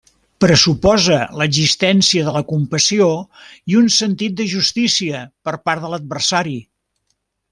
Pressuposa l'existència de la compassió i un sentit de justícia per part de l'adversari.